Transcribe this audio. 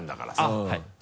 あっはい。